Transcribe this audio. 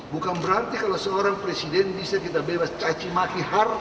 bukan berarti kalau seorang presiden bisa kita bebas cacimaki harkat dan martabatnya